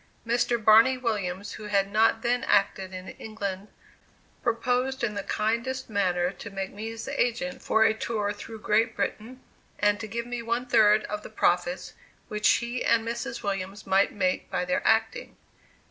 Mr. Barney Williams, who had not then acted in England, proposed in the kindest manner to make me his agent for a tour through Great Britain, and to give me one third of the profits which he and Mrs. Williams might make by their acting.